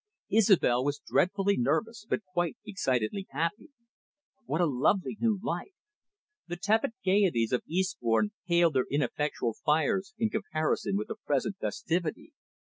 Isobel was dreadfully nervous, but quite excitedly happy. What a lovely new life! The tepid gaieties of Eastbourne paled their ineffectual fires in comparison with the present festivity.